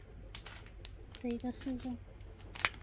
丰托拉沙维耶是巴西南大河州的一个市镇。